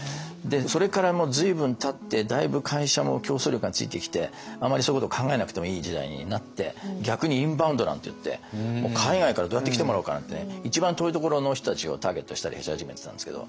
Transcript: それからもう随分たってだいぶ会社も競争力がついてきてあまりそういうことを考えなくてもいい時代になって逆にインバウンドなんていって海外からどうやって来てもらおうかなんてね。一番遠いところの人たちをターゲットにしたりし始めてたんですけど。